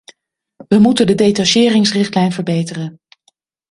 We moeten de detacheringsrichtlijn verbeteren.